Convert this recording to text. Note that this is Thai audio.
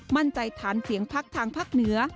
มั่นใจทานเสียงภักดิ์ทางภักดิ์เหนือ